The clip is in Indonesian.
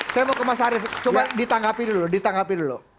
saya mau ke mas arief coba ditanggapi dulu ditanggapi dulu